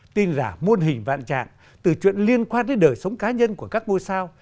tin giả muôn hình vạn trạng từ chuyện liên quan đến đời sống cá nhân của các ngôi sao